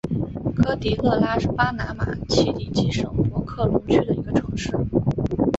科迪勒拉是巴拿马奇里基省博克龙区的一个城市。